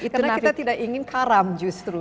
karena kita tidak ingin karam justru